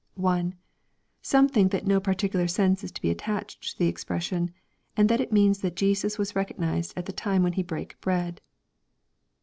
1. Some think that no particular sense is to be attached to the expression, and that it means that Jesus was recognized at the time when He brake bread.